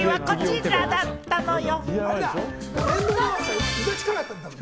正解はこちらだったのよ。